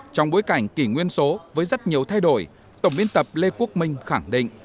trong bối cảnh kỷ nguyên số với rất nhiều thay đổi tổng biên tập lê quốc minh khẳng định